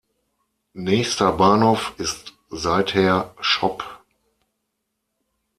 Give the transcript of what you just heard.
Nächster Bahnhof ist seither Schopp.